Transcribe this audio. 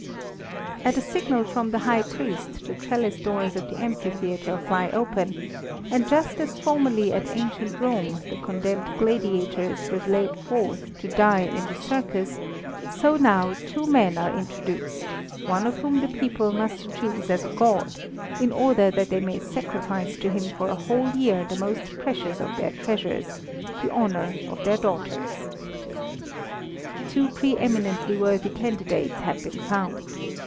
At a signal from the high priest the trellis doors of the amphitheatre fly open, and just as formerly at ancient Rome the condemned gladiators were led forth to die in the circus, so now two men are introduced, one of whom the people must choose as a god, in order that they may sacrifice to him for a whole year the most precious of their treasures, the honour of their daughters. Two pre eminently worthy candidates had been found.